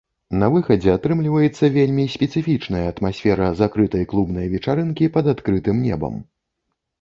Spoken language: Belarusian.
На выхадзе атрымліваецца вельмі спецыфічная атмасфера закрытай клубнай вечарынкі пад адкрытым небам.